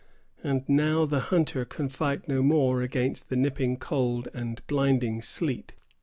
And now the hunter can fight no more against the nipping cold and blinding sleet.